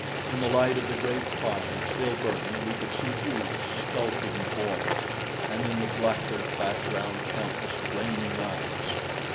In the light of the great fire still burning we could see huge, skulking forms, and in the blacker background countless flaming eyes.